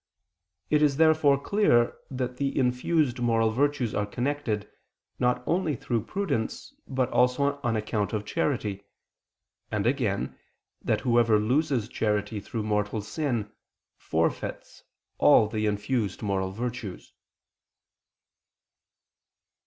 It is therefore clear that the infused moral virtues are connected, not only through prudence, but also on account of charity: and, again, that whoever loses charity through mortal sin, forfeits all the infused moral virtues.